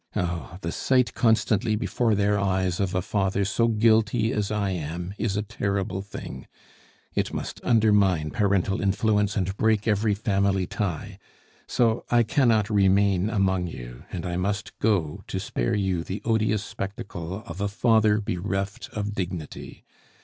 Oh! the sight constantly before their eyes of a father so guilty as I am is a terrible thing; it must undermine parental influence and break every family tie. So I cannot remain among you, and I must go to spare you the odious spectacle of a father bereft of dignity.